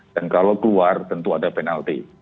dan kalau keluar tentu ada penalti